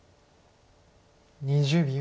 ２０秒。